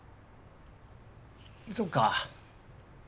そっか。